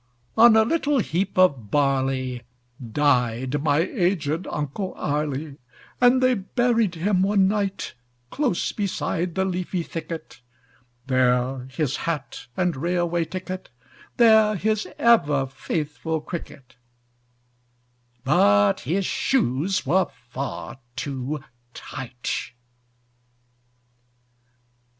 On a little heap of Barley Died my aged Uncle Arly, And they buried him one night; Close beside the leafy thicket; There his hat and Railway Ticket; There his ever faithful Cricket (But his shoes were far too tight).